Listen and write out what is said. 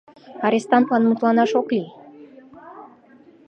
Арестантлан мутланаш ок лий!